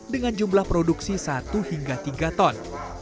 dengan jumlah produksi satu hingga tiga ton